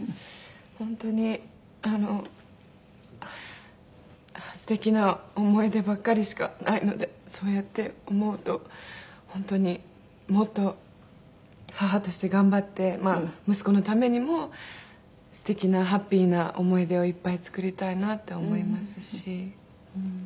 本当にあの素敵な思い出ばっかりしかないのでそうやって思うと本当にもっと母として頑張ってまあ息子のためにも素敵なハッピーな思い出をいっぱい作りたいなって思いますし。